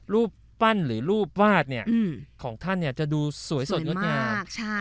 รูปปั้นหรือรูปวาดเนี่ยของท่านเนี่ยจะดูสวยส่วนยดยาว